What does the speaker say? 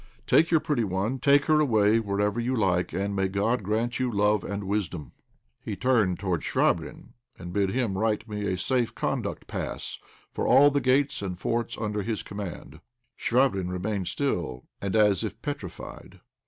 Take your pretty one, take her away wherever you like, and may God grant you love and wisdom." He turned towards Chvabrine, and bid him write me a safe conduct pass for all the gates and forts under his command. Chvabrine remained still, and as if petrified.